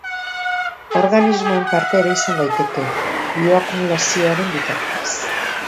Organismoen parte ere izan daiteke, bioakumulazioaren bitartez.